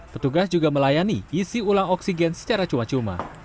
petugas juga melayani isi ulang oksigen secara cuma cuma